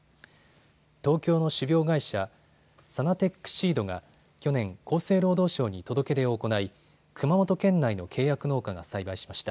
東京の種苗会社、サナテックシードが去年、厚生労働省に届け出を行い熊本県内の契約農家が栽培しました。